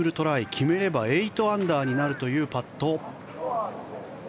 決めれば８アンダーになるというパット。